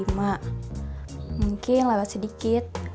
mungkin lewat sedikit